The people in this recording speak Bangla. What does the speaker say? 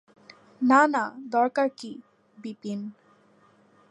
না না, দরকার কী– বিপিন।